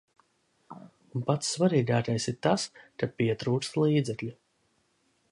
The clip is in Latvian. Un pats svarīgākais ir tas, ka pietrūkst līdzekļu.